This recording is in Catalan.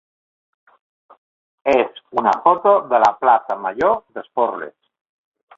és una foto de la plaça major d'Esporles.